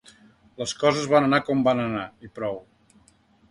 Les coses van anar com van anar, i prou.